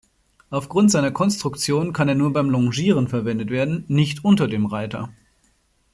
Aufgrund seiner Konstruktion kann er nur beim Longieren verwendet werden, nicht unter dem Reiter.